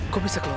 kok bisa keluar